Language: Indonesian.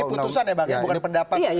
ini putusan ya bang ya bukan pendapat